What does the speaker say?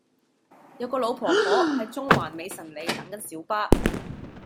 有個老婆婆喺中環美臣里等緊小巴